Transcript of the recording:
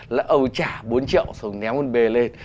lại ẩu trả bốn triệu rồi ném con bê lên